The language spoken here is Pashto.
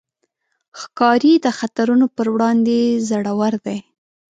ښکاري د خطرونو پر وړاندې زړور دی.